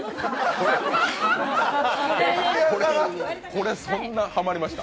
これ、そんなハマりました？